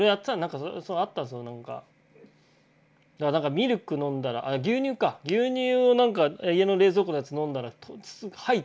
ミルク飲んだらあ牛乳か牛乳を家の冷蔵庫のやつ飲んだら吐いて。